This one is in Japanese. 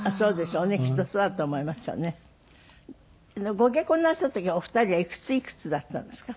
ご結婚なすった時はお二人はいくついくつだったんですか？